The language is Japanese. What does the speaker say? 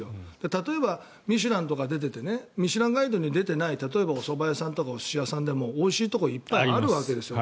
例えばミシュランとかに出ていて「ミシュランガイド」に出ていない例えばおそば屋さんとかお寿司屋さんでもおいしいところはいっぱいあるわけですよ。